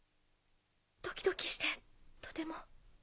ドキドキしてとても。